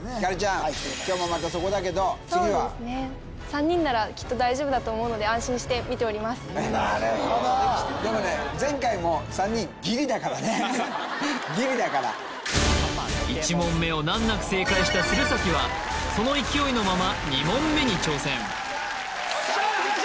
今日もまたそこだけどそうですね３人ならきっと大丈夫だと思うので安心して見ておりますなるほどでもね前回も３人ギリだから１問目を難なく正解した鶴崎はその勢いのまま２問目に挑戦よっしゃ！